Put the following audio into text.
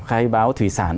khai báo thủy sản